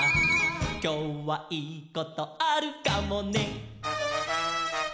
「きょうはいいことあるかもね」